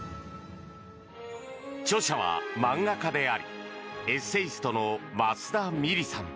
著者は漫画家でありエッセイストの益田ミリさん。